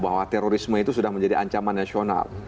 bahwa terorisme itu sudah menjadi ancaman nasional